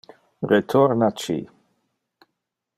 Retorna ci.